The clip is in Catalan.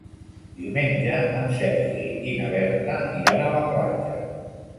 Diumenge en Sergi i na Berta iran a la platja.